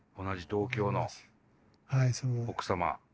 同じ同郷の奥様。